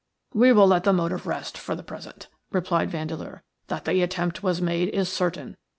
"We will let the motive rest for the present," replied Vandeleur. "That the attempt was made is certain.